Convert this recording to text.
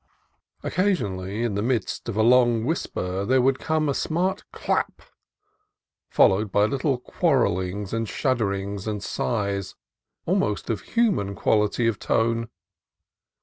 Occasionally, no CALIFORNIA COAST TRAILS in the midst of a long whisper there would come a smart clap, followed by little quarrellings, and shudderings, and sighs, almost of human quality of tone.